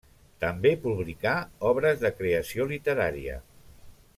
També publicà obres de creació literària.